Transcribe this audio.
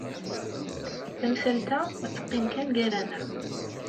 Tamsalt-a ad teqqim kan gar-aneɣ.